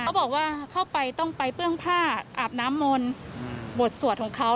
เขาบอกว่าเข้าไปต้องไปเปื้องผ้าอาบน้ำมนต์บทสวดของเขา